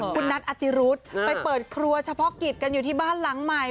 คุณนัทอติรุธไปเปิดครัวเฉพาะกิจกันอยู่ที่บ้านหลังใหม่